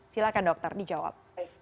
silakan dokter dijawab